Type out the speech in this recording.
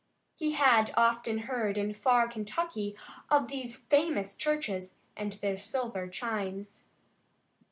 He had often heard, in far Kentucky, of these famous churches and their silver chimes.